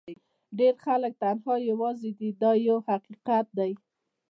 ډېر خلک تنها او یوازې دي دا یو حقیقت دی.